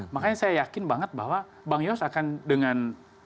makanya saya yakin banget bahwa bang yos akan dengan